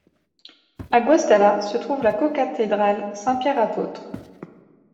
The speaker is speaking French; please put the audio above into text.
À Guastalla se trouve la co-cathédrale Saint-Pierre-Apôtre.